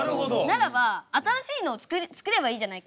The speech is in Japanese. ならば新しいのを作ればいいじゃないか。